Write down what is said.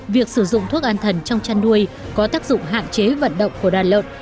việc sử dụng thuốc an thần trong chăn nuôi có tác dụng hạn chế vận động của đàn lợn